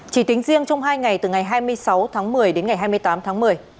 chỉ tính riêng trong hai ngày từ ngày hai mươi sáu tháng một mươi đến ngày hai mươi tám tháng một mươi